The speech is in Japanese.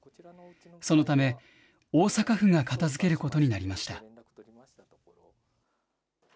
そのため、大阪府が片づけることになりました。